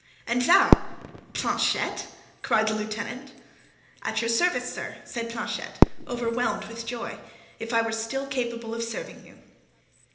"And thou—Planchet!" cried the lieutenant. "At your service, sir," said Planchet, overwhelmed with joy; "if I were still capable of serving you."